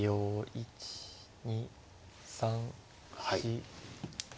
１２３４５。